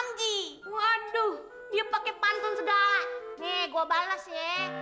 nih gua bales ya